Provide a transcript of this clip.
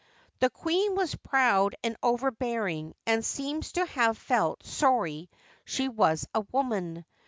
The queen was proud and overbear ing, and seems to have felt sorry she was a woman.